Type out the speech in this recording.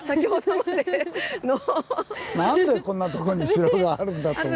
なんでこんなとこに城があるんだと。